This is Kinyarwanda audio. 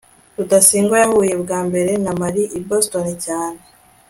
rudasingwa yahuye bwa mbere na mary i boston cyane